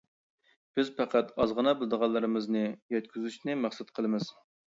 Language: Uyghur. بىز پەقەت ئازغىنە بىلىدىغانلىرىمىزنى يەتكۈزۈشنى مەقسەت قىلىمىز.